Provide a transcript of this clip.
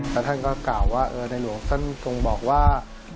แล้วท่านก็กล่าวว่าในหลวงท่านทรงบอกว่า